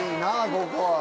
ここあは。